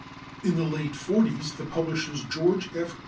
In the late 40's the publishers, George F.